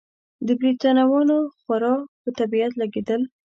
د ده بریتانویان خورا په طبیعت لګېدل.